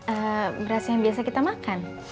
ada beras yang biasa kita makan